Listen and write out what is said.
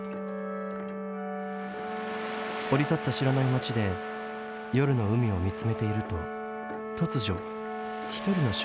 降り立った知らない街で夜の海を見つめていると突如一人の少女が現れます